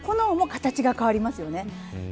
炎も形が変わりますよね。